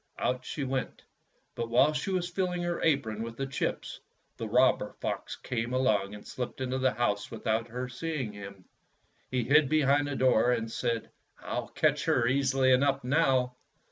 Out she went, but while she was filHng her apron with the chips the robber fox came along and slipped into the house without her seeing him. He hid behind the door, and said, "I'll catch her easily enough, now."